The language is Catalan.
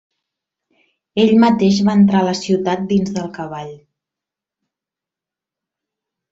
Ell mateix va entrar a la ciutat dins del cavall.